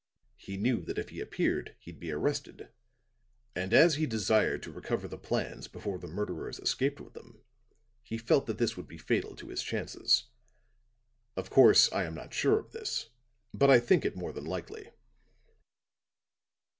He knew that if he appeared he'd be arrested; and as he desired to recover the plans before the murderers escaped with them, he felt that this would be fatal to his chances. Of course, I am not sure of this; but I think it more than likely."